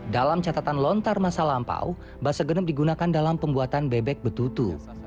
dalam catatan lontar masa lampau basah genep digunakan dalam pembuatan bebek betutu